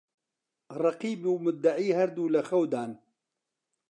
ڕەقیب و موددەعی هەردوو لە خەودان